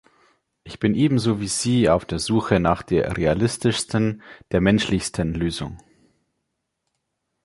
Ich bin ebenso wie Sie auf der Suche nach der realistischsten, der menschlichsten Lösung.